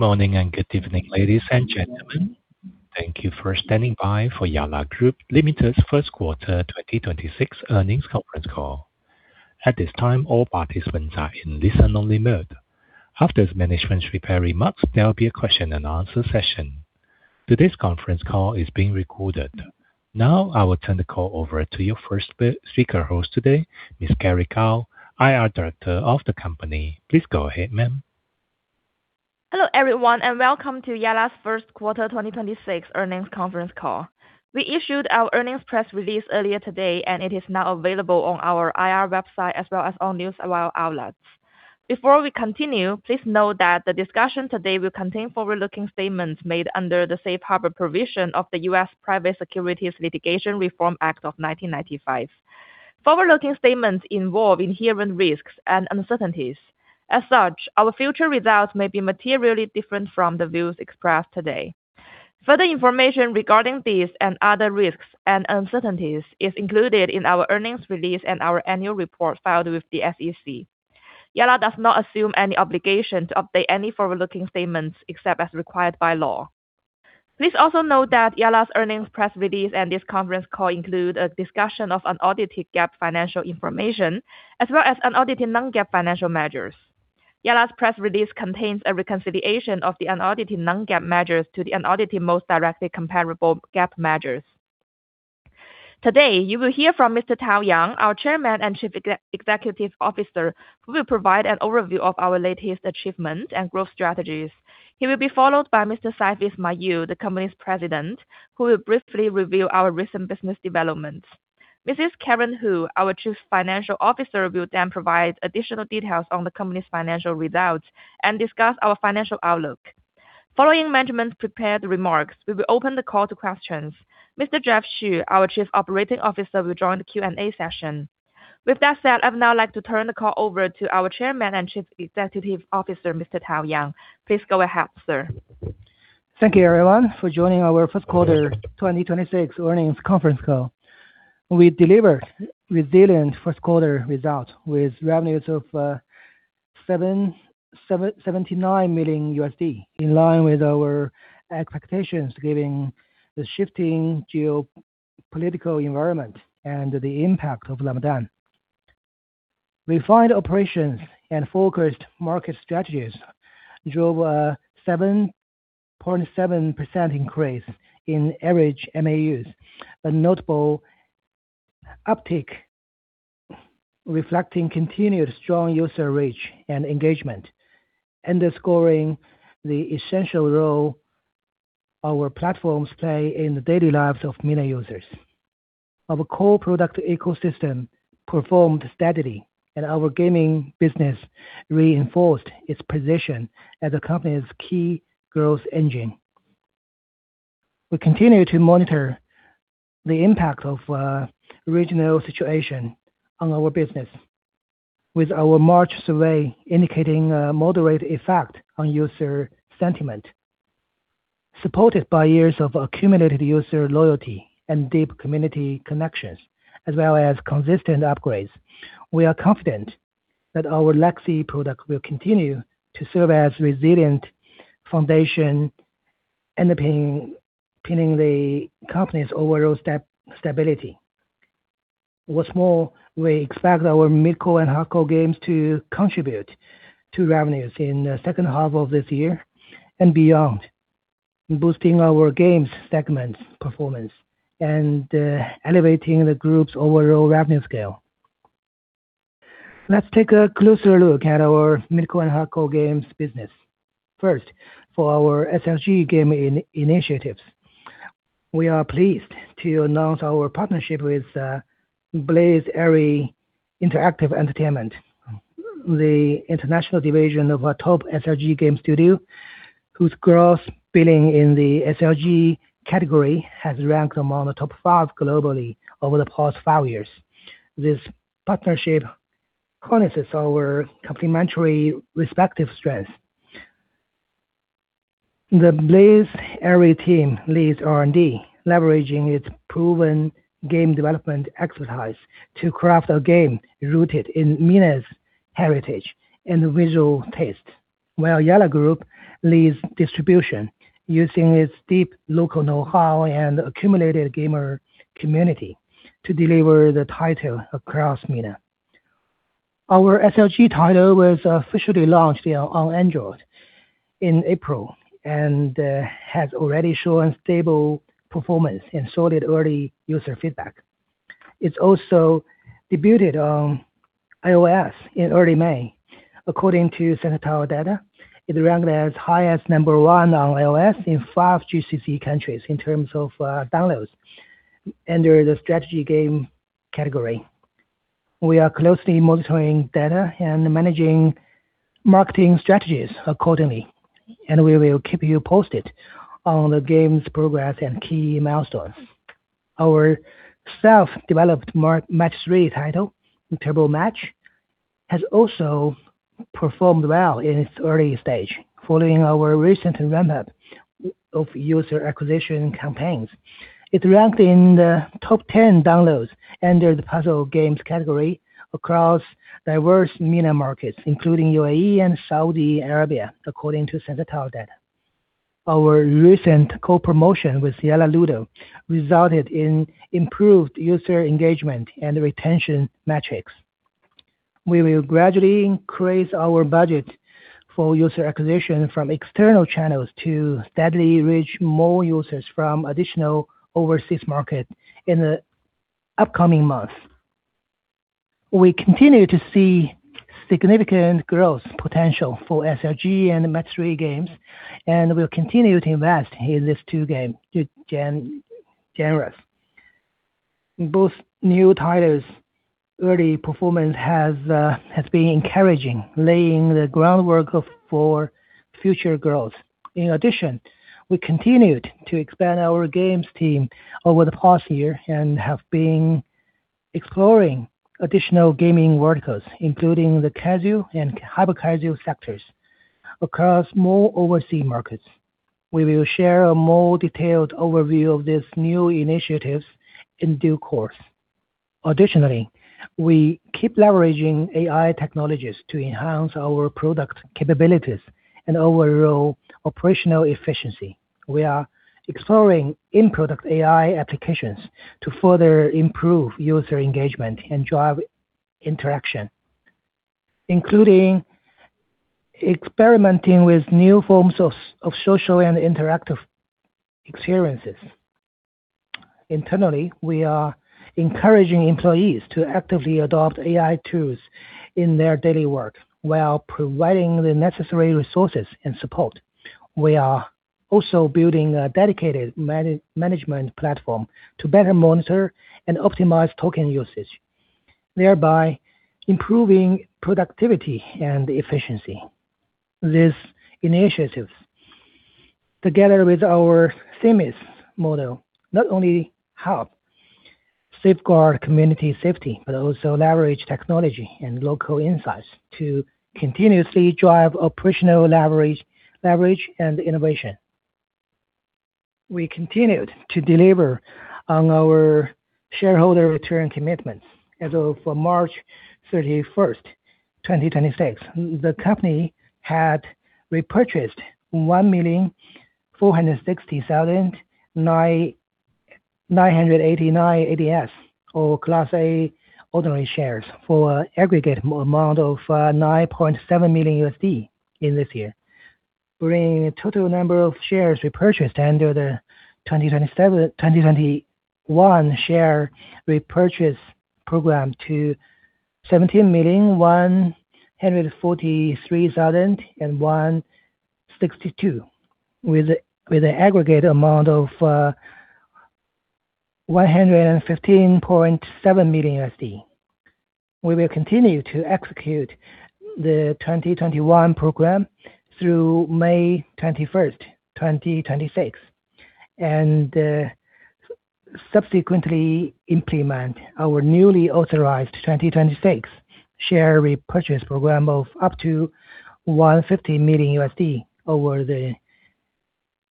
Morning and good evening, ladies and gentlemen. Thank you for standing by for Yalla Group Limited's First Quarter 2026 Earnings Conference Call. At this time, all participants are in listen-only mode. After the management's prepared remarks, there will be a question and answer session. Today's conference call is being recorded. Now, I will turn the call over to your first speaker host today, Ms. Kerry Gao, IR Director of the company. Please go ahead, ma'am. Hello, everyone, and welcome to Yalla's first quarter 2026 earnings conference call. We issued our earnings press release earlier today, and it is now available on our IR website as well as all news wire outlets. Before we continue, please note that the discussion today will contain forward-looking statements made under the safe harbor provision of the U.S. Private Securities Litigation Reform Act of 1995. Forward-looking statements involve inherent risks and uncertainties. As such, our future results may be materially different from the views expressed today. Further information regarding these and other risks and uncertainties is included in our earnings release and our annual report filed with the SEC. Yalla does not assume any obligation to update any forward-looking statements except as required by law. Please also note that Yalla's earnings press release and this conference call include a discussion of unaudited GAAP financial information as well as unaudited non-GAAP financial measures. Yalla's press release contains a reconciliation of the unaudited non-GAAP measures to the unaudited most directly comparable GAAP measures. Today, you will hear from Mr. Tao Yang, our Chairman and Chief Executive Officer, who will provide an overview of our latest achievements and growth strategies. He will be followed by Mr. Saifi Ismail, the company's President, who will briefly review our recent business developments. Mrs. Karen Hu, our Chief Financial Officer, will then provide additional details on the company's financial results and discuss our financial outlook. Following management's prepared remarks, we will open the call to questions. Mr. Jianfeng Xu, our Chief Operating Officer, will join the Q&A session. With that said, I'd now like to turn the call over to our Chairman and Chief Executive Officer, Mr. Tao Yang. Please go ahead, sir. Thank you, everyone, for joining our first quarter 2026 earnings conference call. We delivered resilient first quarter results with revenues of $79 million, in line with our expectations, giving the shifting geopolitical environment and the impact of Ramadan. Refined operations and focused market strategies drove a 7.7% increase in average MAUs, a notable uptick reflecting continued strong user reach and engagement, underscoring the essential role our platforms play in the daily lives of many users. Our core product ecosystem performed steadily, our gaming business reinforced its position as the company's key growth engine. We continue to monitor the impact of regional situation on our business, with our March survey indicating a moderate effect on user sentiment. Supported by years of accumulated user loyalty and deep community connections as well as consistent upgrades, we are confident that our legacy product will continue to serve as resilient foundation underpinning the company's overall stability. What's more, we expect our mid-core and hard-core games to contribute to revenues in the second half of this year and beyond, boosting our games segment performance and elevating the group's overall revenue scale. Let's take a closer look at our mid-core and hard-core games business. First, for our SLG game initiatives, we are pleased to announce our partnership with Blaze Entertainment, the international division of a top SLG game studio whose gross billing in the SLG category has ranked among the top five globally over the past five years. This partnership harnesses our complementary respective strengths. The Blaze Entertainment team leads R&D, leveraging its proven game development expertise to craft a game rooted in MENA's heritage and visual taste, while Yalla Group leads distribution using its deep local know-how and accumulated gamer community to deliver the title across MENA. Our SLG title was officially launched on Android in April and has already shown stable performance and solid early user feedback. It's also debuted on iOS in early May. According to Sensor Tower data, it ranked as high as number one on iOS in five GCC countries in terms of downloads under the strategy game category. We are closely monitoring data and managing marketing strategies accordingly, and we will keep you posted on the game's progress and key milestones. Our self-developed match-3 title, Turbo Match, has also performed well in its early stage following our recent ramp-up of user acquisition campaigns. It ranked in the top 10 downloads under the puzzle games category across diverse MENA markets, including UAE and Saudi Arabia, according to Sensor Tower data. Our recent co-promotion with Yalla Ludo resulted in improved user engagement and retention metrics. We will gradually increase our budget for user acquisition from external channels to steadily reach more users from additional overseas market in the upcoming months. We continue to see significant growth potential for SLG and match-3 games, and we'll continue to invest in these two game genres. Both new titles early performance has been encouraging, laying the groundwork for future growth. In addition, we continued to expand our games team over the past year and have been exploring additional gaming verticals, including the casual and hyper-casual sectors across more overseas markets. We will share a more detailed overview of these new initiatives in due course. Additionally, we keep leveraging AI technologies to enhance our product capabilities and overall operational efficiency. We are exploring in-product AI applications to further improve user engagement and drive interaction, including experimenting with new forms of social and interactive experiences. Internally, we are encouraging employees to actively adopt AI tools in their daily work while providing the necessary resources and support. We are also building a dedicated management platform to better monitor and optimize token usage, thereby improving productivity and efficiency. These initiatives, together with our Themis model, not only help safeguard community safety, but also leverage technology and local insights to continuously drive operational leverage and innovation. We continued to deliver on our shareholder return commitments. As of March 31st, 2026, the company had repurchased 1,460,989 ADS or Class A ordinary shares for aggregate amount of $9.7 million in this year, bringing the total number of shares repurchased under the 2021 share repurchase program to 17,143,162 with an aggregate amount of $115.7 million. We will continue to execute the 2021 program through May 21st, 2026, and subsequently implement our newly authorized 2026 share repurchase program of up to $150 million over the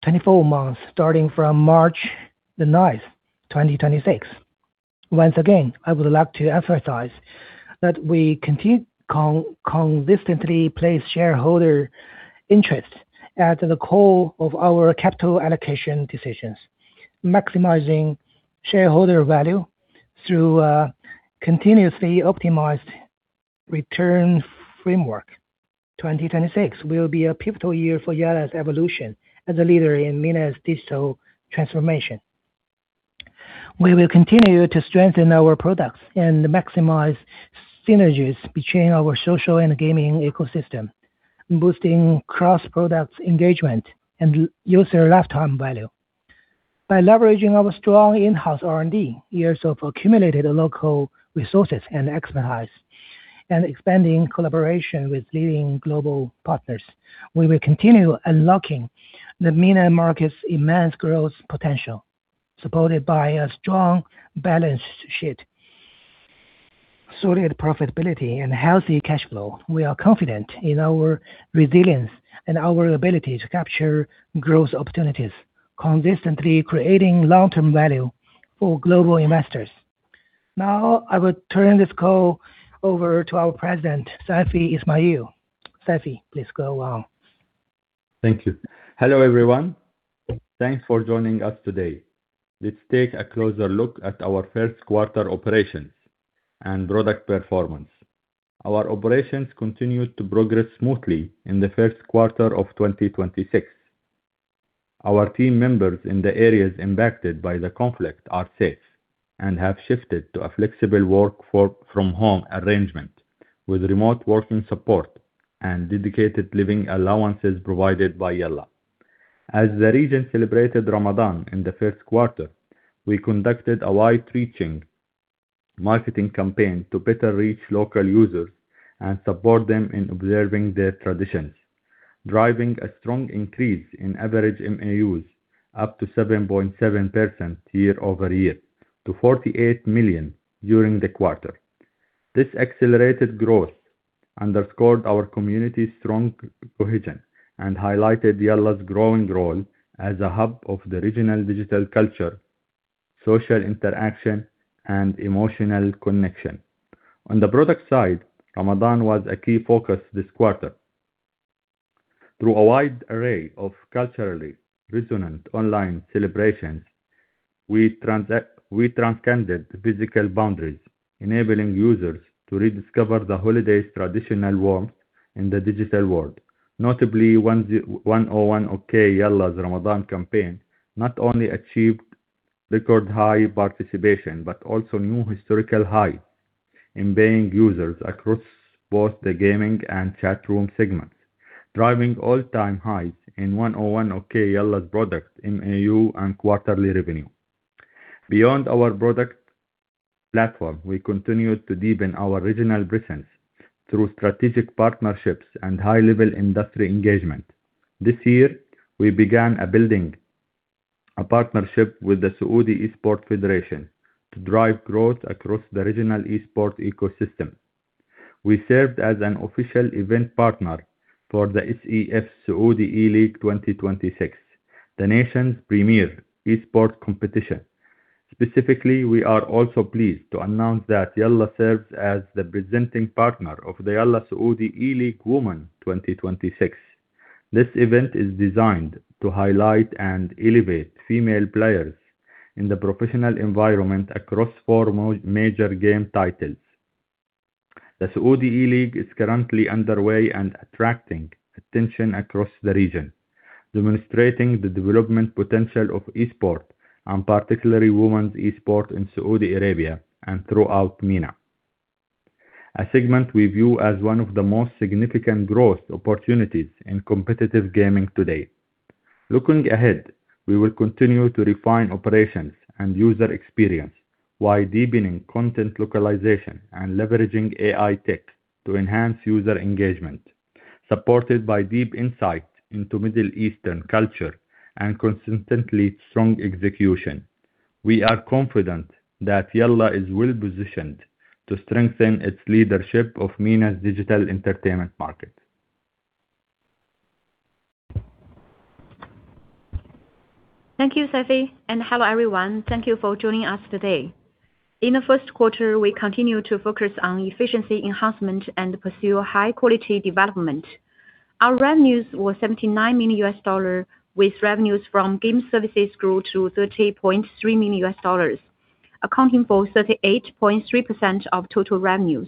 24 months starting from March 9th, 2026. Once again, I would like to emphasize that we continue consistently place shareholder interests at the core of our capital allocation decisions, maximizing shareholder value through a continuously optimized return framework. 2026 will be a pivotal year for Yalla's evolution as a leader in MENA's digital transformation. We will continue to strengthen our products and maximize synergies between our social and gaming ecosystem, boosting cross-products engagement and user lifetime value. By leveraging our strong in-house R&D, years of accumulated local resources and expertise, and expanding collaboration with leading global partners, we will continue unlocking the MENA market's immense growth potential. Supported by a strong balance sheet, solid profitability, and healthy cash flow, we are confident in our resilience and our ability to capture growth opportunities, consistently creating long-term value for global investors. Now, I will turn this call over to our President, Saifi Ismail. Saifi, please go on. Thank you. Hello, everyone. Thanks for joining us today. Let's take a closer look at our first quarter operations and product performance. Our operations continued to progress smoothly in the first quarter of 2026. Our team members in the areas impacted by the conflict are safe and have shifted to a flexible work for-from-home arrangement with remote working support and dedicated living allowances provided by Yalla. As the region celebrated Ramadan in the first quarter, we conducted a wide-reaching marketing campaign to better reach local users and support them in observing their traditions, driving a strong increase in average MAUs up to 7.7% year-over-year to 48 million during the quarter. This accelerated growth underscored our community's strong cohesion and highlighted Yalla's growing role as a hub of the regional digital culturesocial interaction, and emotional connection. On the product side, Ramadan was a key focus this quarter. Through a wide array of culturally resonant online celebrations, we transcended physical boundaries, enabling users to rediscover the holiday's traditional warmth in the digital world. Notably, 101 Okey Yalla's Ramadan campaign not only achieved record high participation, but also new historical highs in paying users across both the gaming and chat room segments, driving all-time highs in 101 Okey Yalla's product, MAU, and quarterly revenue. Beyond our product platform, we continued to deepen our regional presence through strategic partnerships and high-level industry engagement. This year, we began building a partnership with the Saudi Esports Federation to drive growth across the regional esport ecosystem. We served as an official event partner for the SEF Saudi eLeague 2026, the nation's premier esport competition. Specifically, we are also pleased to announce that Yalla serves as the presenting partner of the Yalla Saudi eLeague Women 2026. This event is designed to highlight and elevate female players in the professional environment across four major game titles. The Saudi eLeague is currently underway and attracting attention across the region, demonstrating the development potential of esport and particularly women's esport in Saudi Arabia and throughout MENA, a segment we view as one of the most significant growth opportunities in competitive gaming today. Looking ahead, we will continue to refine operations and user experience while deepening content localization and leveraging AI tech to enhance user engagement. Supported by deep insight into Middle Eastern culture and consistently strong execution, we are confident that Yalla is well-positioned to strengthen its leadership of MENA's digital entertainment market. Thank you, Saifi, and hello, everyone. Thank you for joining us today. In the first quarter, we continued to focus on efficiency enhancement and pursue high-quality development. Our revenues were $79 million, with revenues from game services grew to $30.3 million, accounting for 38.3% of total revenues.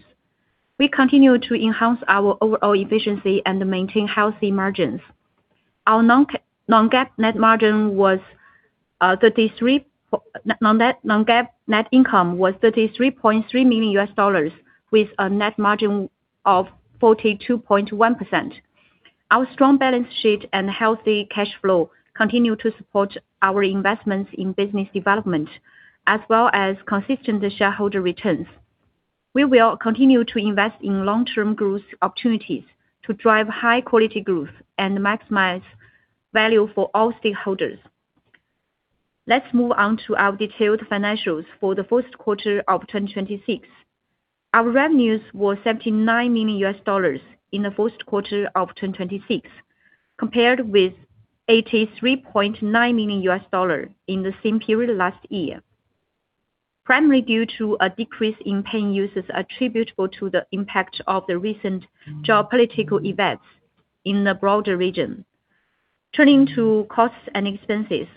We continue to enhance our overall efficiency and maintain healthy margins. Our non-GAAP net income was $33.3 million with a net margin of 42.1%. Our strong balance sheet and healthy cash flow continue to support our investments in business development as well as consistent shareholder returns. We will continue to invest in long-term growth opportunities to drive high-quality growth and maximize value for all stakeholders. Let's move on to our detailed financials for the first quarter of 2026. Our revenues were $79 million in the first quarter of 2026, compared with $83.9 million in the same period last year. Primarily due to a decrease in paying users attributable to the impact of the recent geopolitical events in the broader region. Turning to costs and expenses.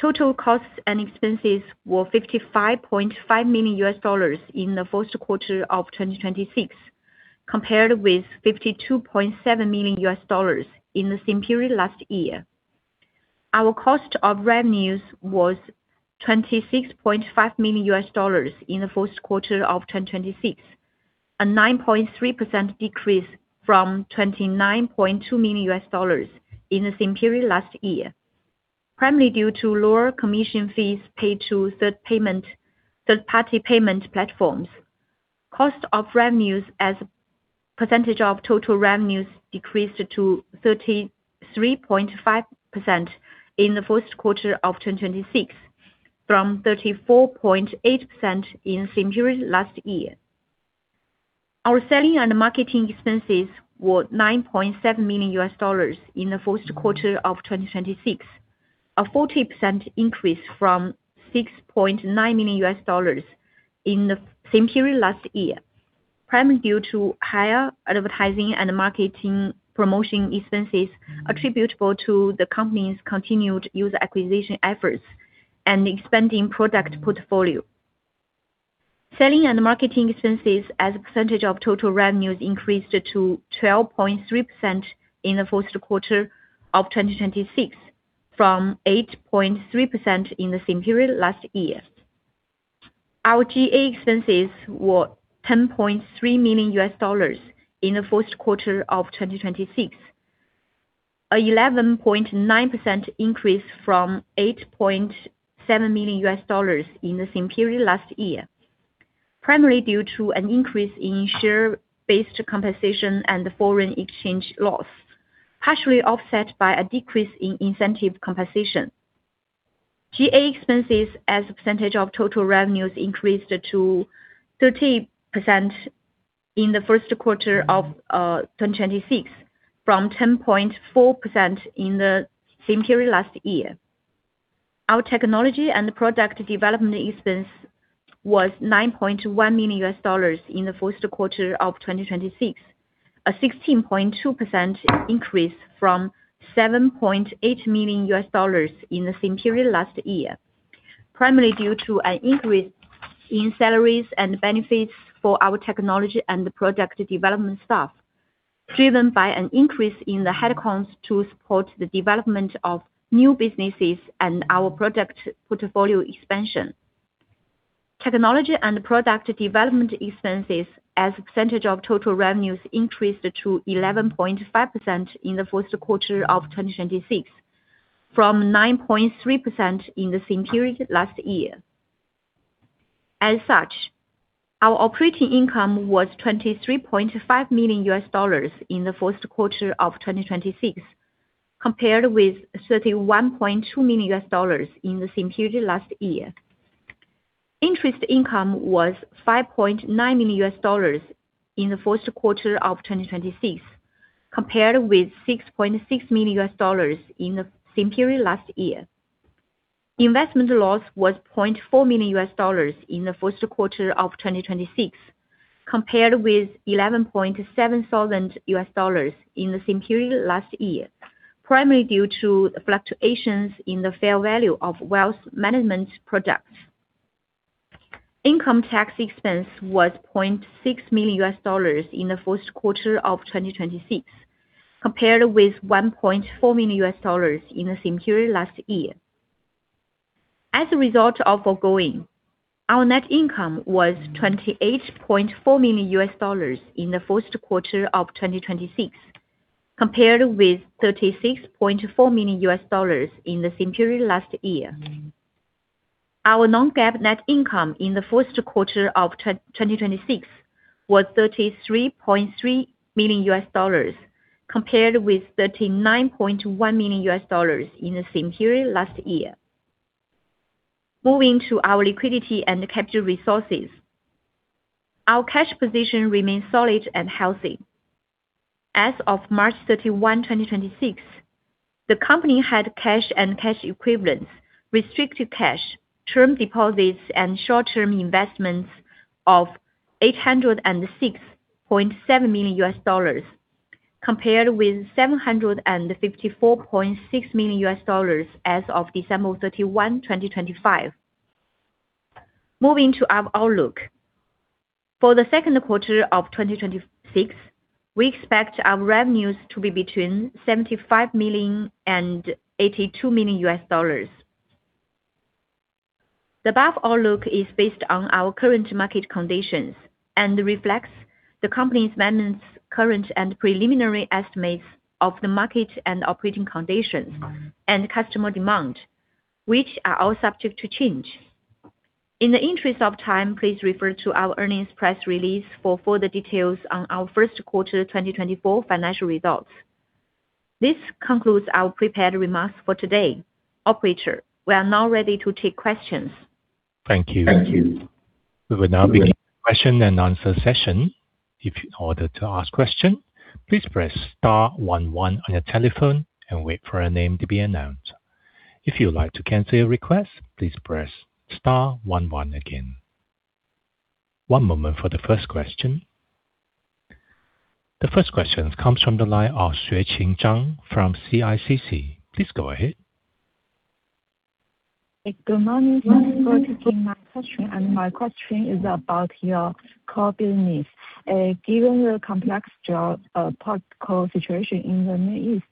Total costs and expenses were $55.5 million in the first quarter of 2026, compared with $52.7 million in the same period last year. Our cost of revenues was $26.5 million in the first quarter of 2026, a 9.3% decrease from $29.2 million in the same period last year. Primarily due to lower commission fees paid to third-party payment platforms. Cost of revenues as a percentage of total revenues decreased to 33.5% in the first quarter of 2026 from 34.8% in same period last year. Our selling and marketing expenses were $9.7 million in the first quarter of 2026, a 40% increase from $6.9 million in the same period last year. Primarily due to higher advertising and marketing promotion expenses attributable to the company's continued user acquisition efforts and expanding product portfolio. Selling and marketing expenses as a percentage of total revenues increased to 12.3% in the first quarter of 2026 from 8.3% in the same period last year. Our G&A expenses were $10.3 million in the first quarter of 2026. A 11.9% increase from $8.7 million in the same period last year. Primarily due to an increase in share-based compensation and foreign exchange loss, partially offset by a decrease in incentive compensation. G&A expenses as a percentage of total revenues increased to 13% in the first quarter of 2026 from 10.4% in the same period last year. Our technology and product development expense was $9.1 million in the first quarter of 2026. A 16.2% increase from $7.8 million in the same period last year, primarily due to an increase in salaries and benefits for our technology and product development staff, driven by an increase in the headcounts to support the development of new businesses and our product portfolio expansion. Technology and product development expenses as a percentage of total revenues increased to 11.5% in the first quarter of 2026 from 9.3% in the same period last year. As such, our operating income was $23.5 million in the first quarter of 2026 compared with $31.2 million in the same period last year. Interest income was $5.9 million in the first quarter of 2026 compared with $6.6 million in the same period last year. Investment loss was $0.4 million in the first quarter of 2026 compared with $11.7 thousand in the same period last year, primarily due to fluctuations in the fair value of wealth management products. Income tax expense was $0.6 million in the first quarter of 2026 compared with $1.4 million in the same period last year. As a result of foregoing, our net income was $28.4 million in the first quarter of 2026 compared with $36.4 million in the same period last year. Our non-GAAP net income in the first quarter of 2026 was $33.3 million compared with $39.1 million in the same period last year. Moving to our liquidity and capital resources. Our cash position remains solid and healthy. As of March 31, 2026, the company had cash and cash equivalents, restricted cash, term deposits and short-term investments of $806.7 million compared with $754.6 million as of December 31, 2025. Moving to our outlook. For the second quarter of 2026, we expect our revenues to be between $75 million and $82 million. The above outlook is based on our current market conditions and reflects the company's management's current and preliminary estimates of the market and operating conditions and customer demand, which are all subject to change. In the interest of time, please refer to our earnings press release for further details on our first quarter 2024 financial results. This concludes our prepared remarks for today. Operator, we are now ready to take questions. Thank you. We will now begin the question and answer session. In order to ask question, please press star one one on your telephone and wait for your name to be announced. If you'd like to cancel your request, please press star one one again. One moment for the first question. The first question comes from the line of Xueqing Zhang from CICC. Please go ahead. Good morning. Thank you for taking my question. My question is about your core business. Given the complex geopolitical situation in the Middle East,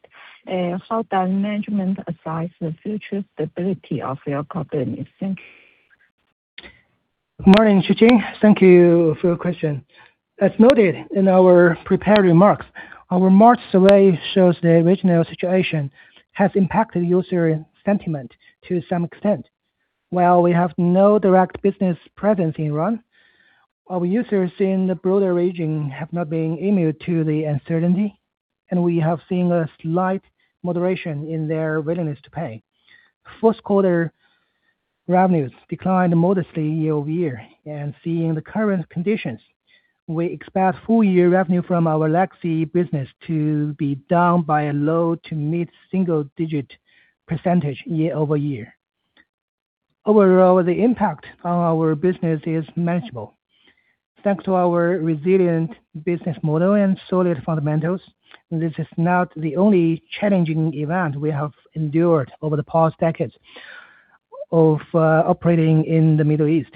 how does management assess the future stability of your core business? Thank you. Morning, Xueqing. Thank you for your question. As noted in our prepared remarks, our March survey shows the regional situation has impacted user sentiment to some extent. While we have no direct business presence in Iran, our users in the broader region have not been immune to the uncertainty, and we have seen a slight moderation in their willingness to pay. First quarter revenues declined modestly year-over-year. Seeing the current conditions, we expect full year revenue from our legacy business to be down by a low to mid-single digit percentage year-over-year. Overall, the impact on our business is manageable. Thanks to our resilient business model and solid fundamentals, this is not the only challenging event we have endured over the past decades of operating in the Middle East.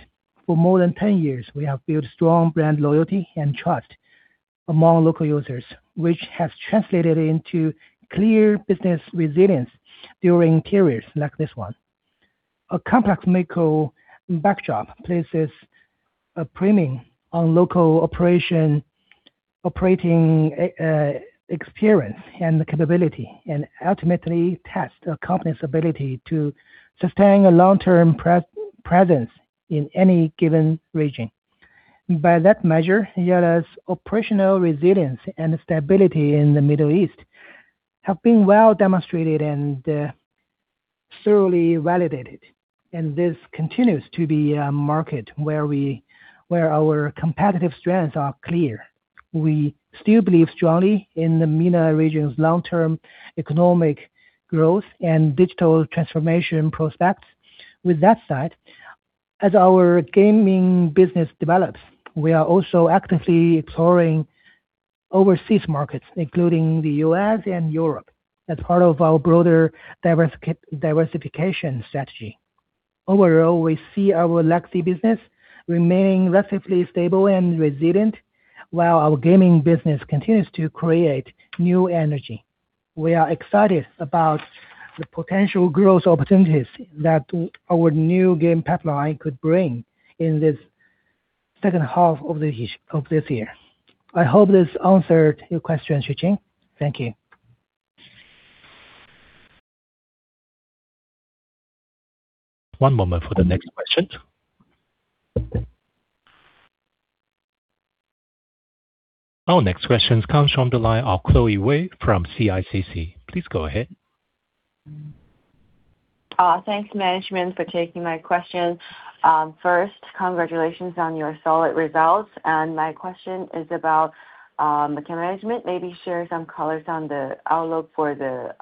For more than 10 years, we have built strong brand loyalty and trust among local users, which has translated into clear business resilience during periods like this one. A complex macro backdrop places a premium on local operation, operating experience and capability, and ultimately test a company's ability to sustain a long-term presence in any given region. By that measure, Yalla's operational resilience and stability in the Middle East have been well demonstrated and. Thoroughly validated, this continues to be a market where our competitive strengths are clear. We still believe strongly in the MENA region's long-term economic growth and digital transformation prospects. With that said, as our gaming business develops, we are also actively exploring overseas markets, including the U.S. and Europe, as part of our broader diversification strategy. Overall, we see our legacy business remaining relatively stable and resilient, while our gaming business continues to create new energy. We are excited about the potential growth opportunities that our new game pipeline could bring in this second half of this year. I hope this answered your question, Xueqing. Thank you. One moment for the next question. Our next question comes from the line of Chloe Wei from CICC. Please go ahead. Thanks management for taking my question. First, congratulations on your solid results. My question is about, can management maybe share some colors on the outlook for the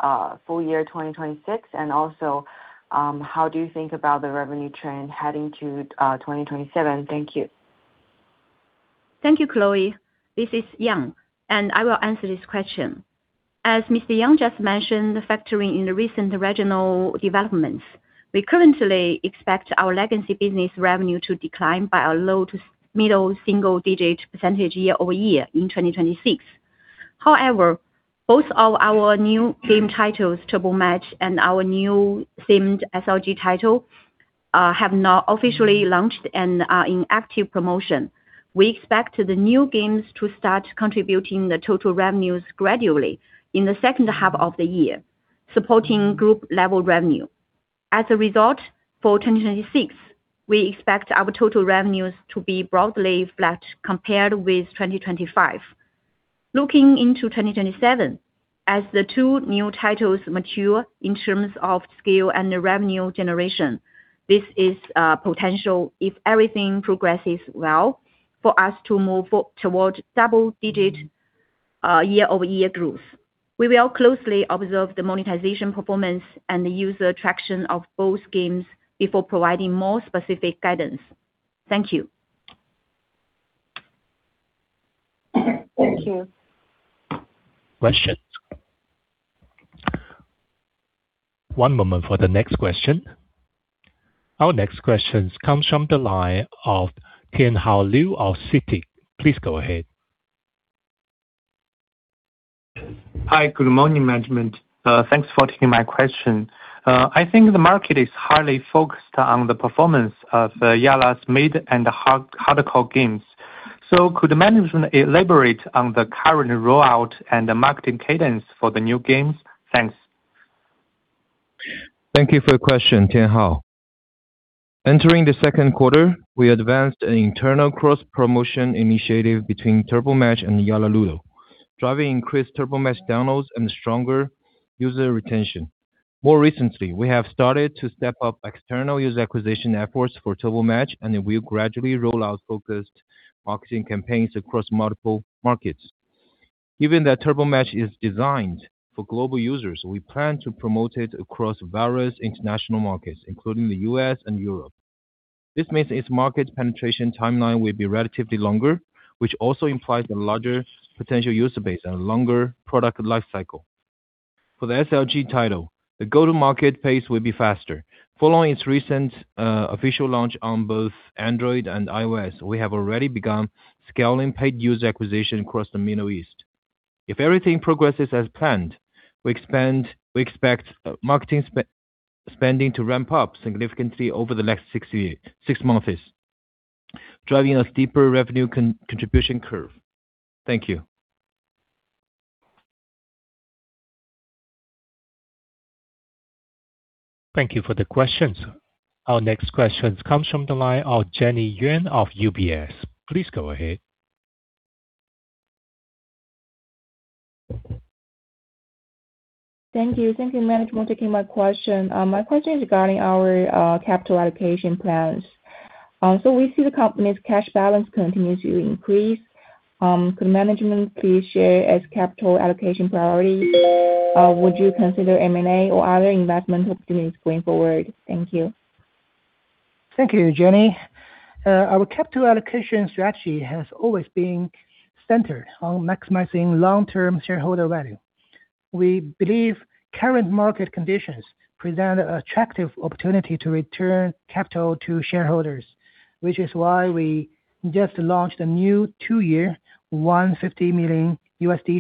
full year 2026, also, how do you think about the revenue trend heading to 2027? Thank you. Thank you, Chloe. This is Yang, and I will answer this question. As [Mr. Yang] just mentioned, factoring in the recent regional developments, we currently expect our legacy business revenue to decline by a low to middle single-digit percentage year-over-year in 2026. Both of our new game titles, Turbo Match and our new themed SLG title, have now officially launched and are in active promotion. We expect the new games to start contributing the total revenues gradually in the second half of the year, supporting group level revenue. For 2026, we expect our total revenues to be broadly flat compared with 2025. Looking into 2027, as the two new titles mature in terms of scale and the revenue generation, this is potential if everything progresses well for us to move towards double-digit year-over-year growth. We will closely observe the monetization performance and the user traction of both games before providing more specific guidance. Thank you. Thank you. Questions. One moment for the next question. Our next question comes from the line of Tianhao Liu of Citi. Please go ahead. Hi. Good morning, management. Thanks for taking my question. I think the market is highly focused on the performance of Yalla's mid and hardcore games. Could management elaborate on the current rollout and the marketing cadence for the new games? Thanks. Thank you for your question, Tianhao. Entering the second quarter, we advanced an internal cross-promotion initiative between Turbo Match and Yalla Ludo, driving increased Turbo Match downloads and stronger user retention. More recently, we have started to step up external user acquisition efforts for Turbo Match, and we will gradually roll out focused marketing campaigns across multiple markets. Given that Turbo Match is designed for global users, we plan to promote it across various international markets, including the U.S. and Europe. This means its market penetration timeline will be relatively longer, which also implies a larger potential user base and a longer product life cycle. For the SLG title, the go-to-market pace will be faster. Following its recent official launch on both Android and iOS, we have already begun scaling paid user acquisition across the Middle East. If everything progresses as planned, we expect marketing spending to ramp up significantly over the next six months, driving a steeper revenue contribution curve. Thank you. Thank you for the questions. Our next question comes from the line of Jenny Yuan of UBS. Please go ahead. Thank you. Thank you management for taking my question. My question is regarding our capital allocation plans. We see the company's cash balance continue to increase. Could management please share its capital allocation priority? Would you consider M&A or other investment opportunities going forward? Thank you. Thank you, Jenny. Our capital allocation strategy has always been centered on maximizing long-term shareholder value. We believe current market conditions present attractive opportunity to return capital to shareholders, which is why we just launched a new two-year, $150 million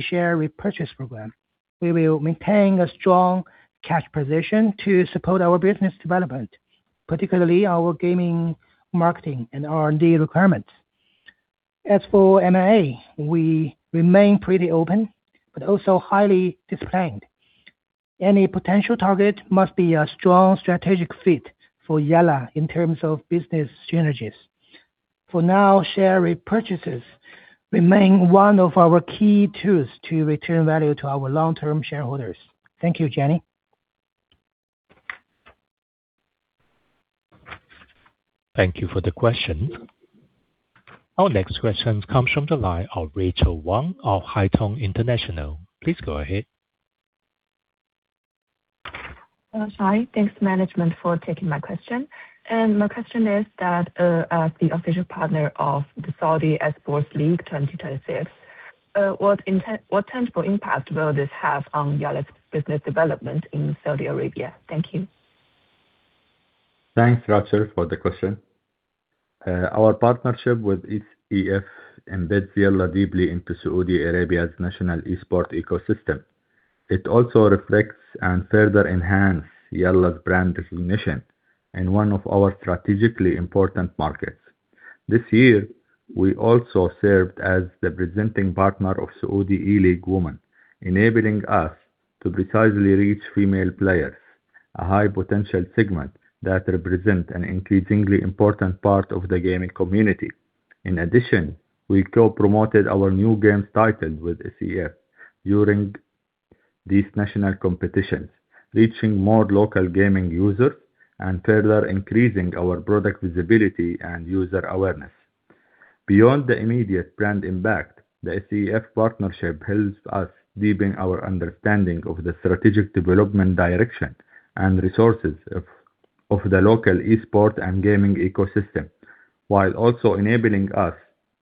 share repurchase program. We will maintain a strong cash position to support our business development, particularly our gaming, marketing, and R&D requirements. As for M&A, we remain pretty open but also highly disciplined. Any potential target must be a strong strategic fit for Yalla in terms of business synergies. For now, share repurchases remain one of our key tools to return value to our long-term shareholders. Thank you, Jenny. Thank you for the question. Our next question comes from the line of Rachel Wang of Haitong International. Please go ahead. Hello, Saifi. Thanks management for taking my question. My question is that, as the official partner of the Saudi eSports League 2026, what tangible impact will this have on Yalla's business development in Saudi Arabia? Thank you. Thanks, Rachel, for the question. Our partnership with SEF embeds Yalla deeply into Saudi Arabia's national esport ecosystem. It also reflects and further enhance Yalla's brand recognition in one of our strategically important markets. This year, we also served as the presenting partner of Saudi eLeague Women, enabling us to precisely reach female players, a high potential segment that represent an increasingly important part of the gaming community. In addition, we co-promoted our new games titled with SEF during these national competitions, reaching more local gaming users and further increasing our product visibility and user awareness. Beyond the immediate brand impact, the SEF partnership helps us deepen our understanding of the strategic development direction and resources of the local esport and gaming ecosystem, while also enabling us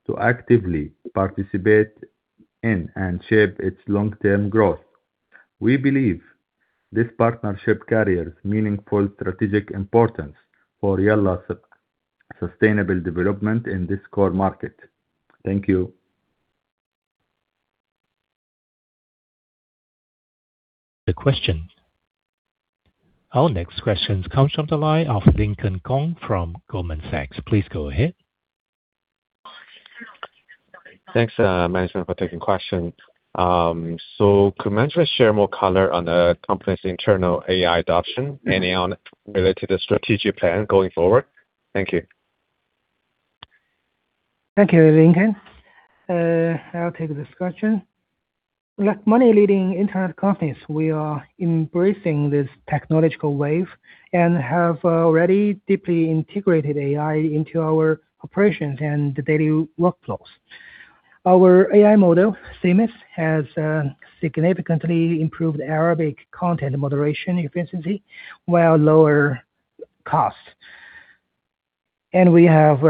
to actively participate in and shape its long-term growth. We believe this partnership carries meaningful strategic importance for Yalla's sustainable development in this core market. Thank you. The question. Our next question comes from the line of Lincoln Kong from Goldman Sachs. Please go ahead. Thanks, management, for taking question. Could management share more color on the company's internal AI adoption and any on related to strategic plan going forward? Thank you. Thank you, Lincoln. I'll take this question. Like many leading internet companies, we are embracing this technological wave and have already deeply integrated AI into our operations and daily workflows. Our AI model, Themis, has significantly improved Arabic content moderation efficiency while lower costs. We have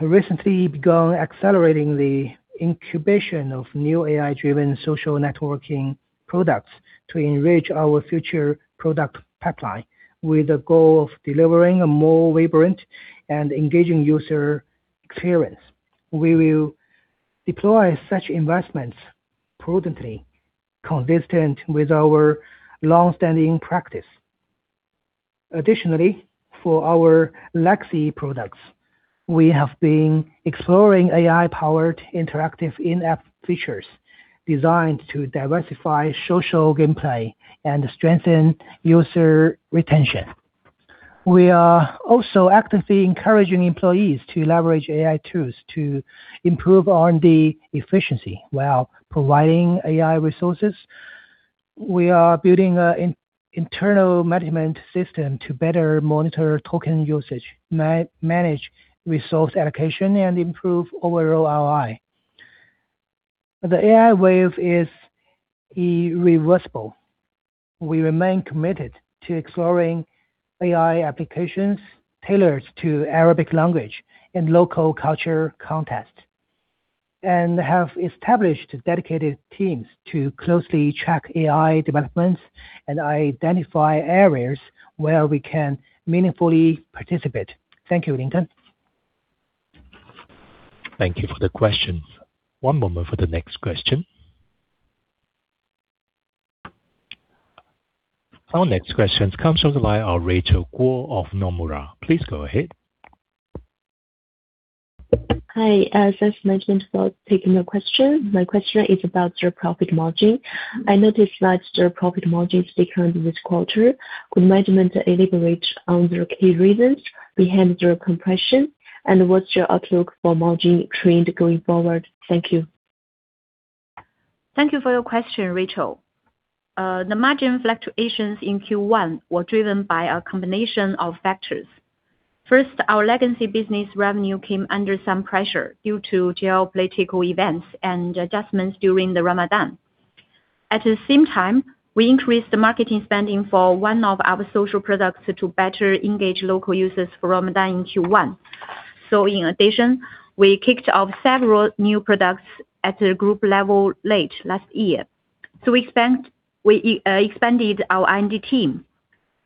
recently begun accelerating the incubation of new AI-driven social networking products to enrich our future product pipeline with the goal of delivering a more vibrant and engaging user experience. We will deploy such investments prudently, consistent with our long-standing practice. Additionally, for our legacy products, we have been exploring AI-powered interactive in-app features designed to diversify social gameplay and strengthen user retention. We are also actively encouraging employees to leverage AI tools to improve R&D efficiency while providing AI resources. We are building an internal management system to better monitor token usage, manage resource allocation, and improve overall ROI. The AI wave is irreversible. We remain committed to exploring AI applications tailored to Arabic language and local culture context, and have established dedicated teams to closely track AI developments and identify areas where we can meaningfully participate. Thank you, Lincoln. Thank you for the questions. One moment for the next question. Our next question comes from the line of Rachel Guo of Nomura. Please go ahead. Hi. As mentioned, for taking the question. My question is about your profit margin. I noticed that your profit margin declined this quarter. Could management elaborate on the key reasons behind your compression, and what's your outlook for margin trend going forward? Thank you. Thank you for your question, Rachel. The margin fluctuations in Q1 were driven by a combination of factors. First, our legacy business revenue came under some pressure due to geopolitical events and adjustments during the Ramadan. At the same time, we increased the marketing spending for one of our social products to better engage local users for Ramadan in Q1. In addition, we kicked off several new products at a group level late last year. We expanded our R&D team.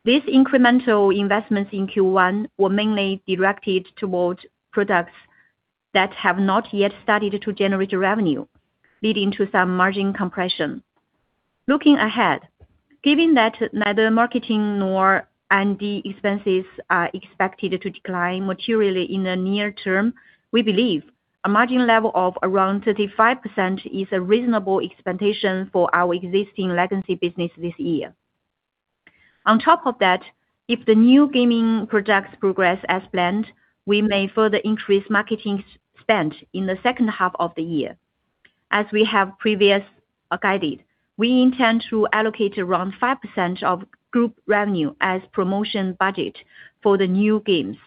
These incremental investments in Q1 were mainly directed towards products that have not yet started to generate revenue, leading to some margin compression. Looking ahead, given that neither marketing nor R&D expenses are expected to decline materially in the near term, we believe a margin level of around 35% is a reasonable expectation for our existing legacy business this year. On top of that, if the new gaming projects progress as planned, we may further increase marketing spent in the second half of the year. As we have previous guided, we intend to allocate around 5% of group revenue as promotion budget for the new games.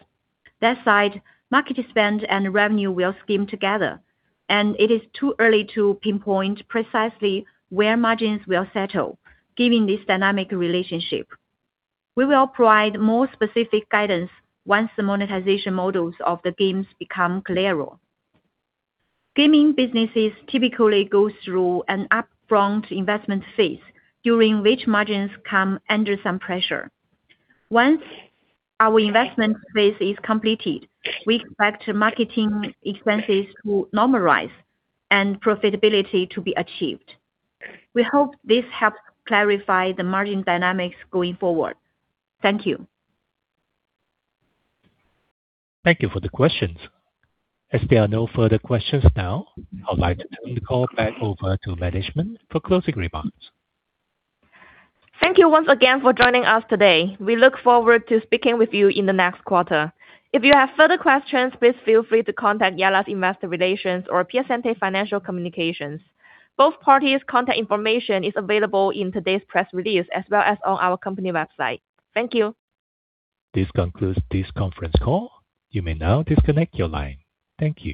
That said, market spend and revenue will scheme together, and it is too early to pinpoint precisely where margins will settle given this dynamic relationship. We will provide more specific guidance once the monetization models of the games become clearer. Gaming businesses typically go through an upfront investment phase, during which margins come under some pressure. Once our investment phase is completed, we expect marketing expenses to normalize and profitability to be achieved. We hope this helps clarify the margin dynamics going forward. Thank you. Thank you for the questions. There are no further questions now, I'd like to turn the call back over to management for closing remarks. Thank you once again for joining us today. We look forward to speaking with you in the next quarter. If you have further questions, please feel free to contact Yalla's Investor Relations or PondelWilkinson Financial Communications. Both parties' contact information is available in today's press release as well as on our company website. Thank you. This concludes this conference call. You may now disconnect your line. Thank you.